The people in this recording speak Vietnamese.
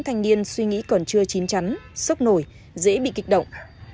thành niên suy nghĩ còn chưa chín chắn sốc nổi dễ bị kịch động